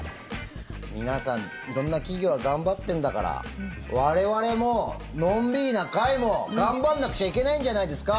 皆さん、色んな企業が頑張ってんだから我々も、のんびりなかいも頑張んなくちゃいけないんじゃないですか。